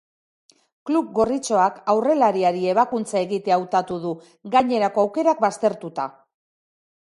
Klub gorritxoak aurrelariari ebakuntza egitea hautatu du, gainerako aukerak baztertuta.